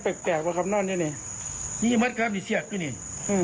แตกแตกว่าครับนั่นนี่นี่นี่มัดครับนี่เสียดด้วยนี่อืม